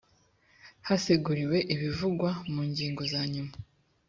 haseguriwe ibivugwa mu ngingo za nyuma